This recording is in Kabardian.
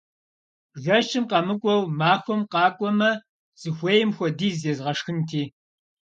Жэщым къэмыкӀуэу махуэм къакӀуэмэ, зыхуейм хуэдиз езгъэшхынти!